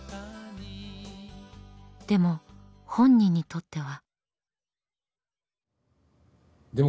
でも本人にとっては。